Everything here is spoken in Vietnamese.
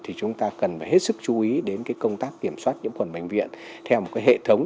thì chúng ta cần phải hết sức chú ý đến công tác kiểm soát nhiễm khuẩn bệnh viện theo một hệ thống